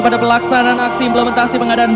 pada pelaksanaan aksi implementasi pengadaan